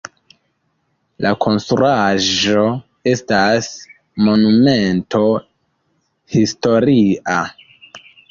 La konstruaĵo estas monumento historia.